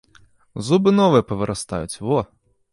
Зубы новыя павырастаюць, во!